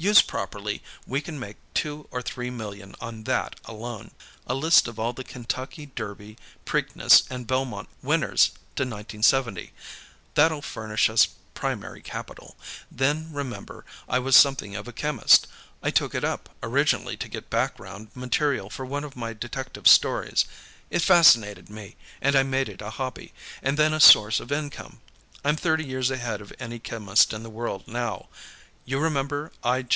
"Used properly, we can make two or three million on that, alone. A list of all the Kentucky Derby, Preakness, and Belmont winners to 1970. That'll furnish us primary capital. Then, remember, I was something of a chemist. I took it up, originally, to get background material for one of my detective stories; it fascinated me, and I made it a hobby, and then a source of income. I'm thirty years ahead of any chemist in the world, now. You remember _I.